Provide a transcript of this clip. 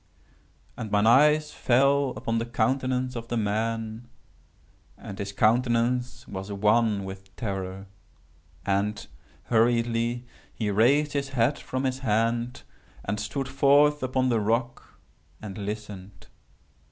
"And mine eyes fell upon the countenance of the man, and his countenance was wan with terror. And, hurriedly, he raised his head from his hand, and stood forth upon the rock and listened.